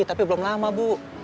tapi belum lama bu